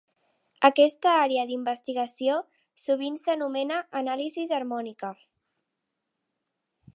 Aquesta àrea d'investigació sovint s'anomena anàlisi harmònica.